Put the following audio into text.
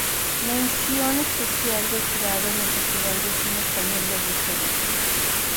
Mención especial del jurado en el Festival de Cine Español de Bruselas.